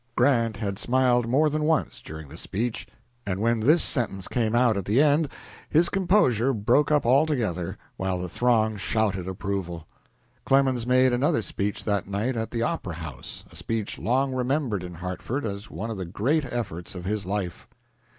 Grant had smiled more than once during the speech, and when this sentence came out at the end his composure broke up altogether, while the throng shouted approval. Clemens made another speech that night at the opera house a speech long remembered in Hartford as one of the great efforts of his life.